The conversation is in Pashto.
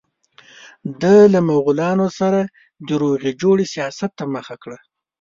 ده له مغولانو سره د روغې جوړې سیاست ته مخه کړه.